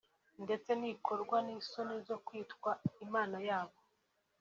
ndetse ntikorwa n’isoni zo kwitwa Imana yabo